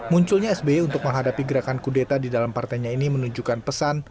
munculnya sby untuk menghadapi gerakan kudeta di dalam partainya ini menunjukkan pesan